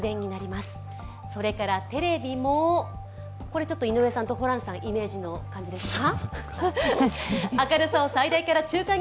これ、井上さんとホランさんイメージの感じですか？